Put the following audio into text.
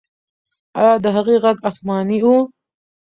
آیا د هغې ږغ آسماني و؟